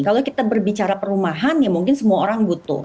kalau kita berbicara perumahan ya mungkin semua orang butuh